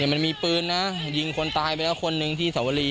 มันมีปืนนะยิงคนตายไปแล้วคนหนึ่งที่สวรี